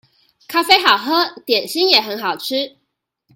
咖啡好喝，點心也很好吃